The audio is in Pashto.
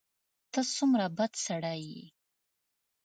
ته څومره بد سړی یې !